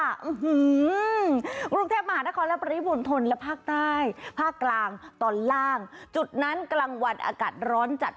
กรุงเทพมหานครและปริมณฑลและภาคใต้ภาคกลางตอนล่างจุดนั้นกลางวันอากาศร้อนจัด